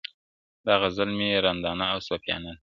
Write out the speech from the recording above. دا غزل مي رندانه او صوفیانه دی.